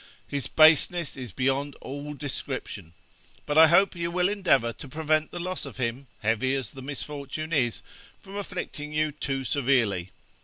His baseness is beyond all description, but I hope you will endeavour to prevent the loss of him, heavy as the misfortune is, from afflicting you too severely.